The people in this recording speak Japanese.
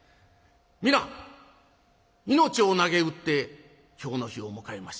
皆命をなげうって今日の日を迎えました。